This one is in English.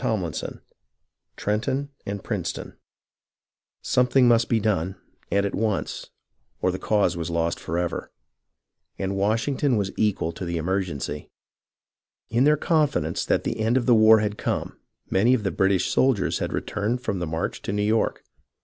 CHAPTER XV TRENTON AND PRINCETON Something must be done, and at once, or the cause was lost forever; and Washington was equal to the emergency. In their confidence that the end of the war had come, many of the British soldiers had returned from the march to New York.